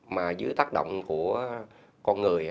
mà dưới tác động của con người